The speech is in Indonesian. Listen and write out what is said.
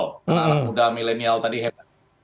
anak anak muda milenial tadi hebat